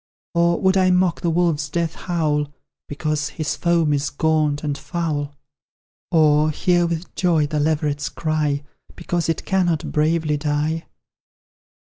Or, would I mock the wolf's death howl, Because his form is gaunt and foul? Or, hear with joy the leveret's cry, Because it cannot bravely die?